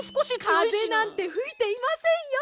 かぜなんてふいていませんよ。